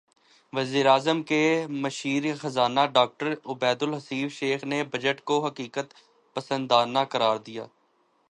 وزیراعظم کے مشیر خزانہ ڈاکٹر عبدالحفیظ شیخ نے بجٹ کو حقیقت پسندانہ قرار دیا